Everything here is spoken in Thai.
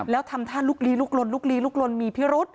แล้วทำท่าลุกลีลุกลนลุกลีลุกลนมีพิรุษ